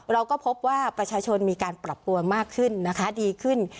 เราก็พบว่าประชาชนมีการปรับตัวมากขึ้นนะคะดีขึ้น